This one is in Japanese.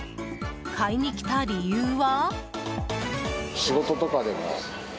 買いにきた理由は？